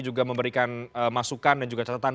juga memberikan masukan dan juga catatan